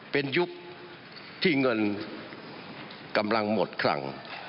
เป็นยุคที่เงินกำลังหมดคลัง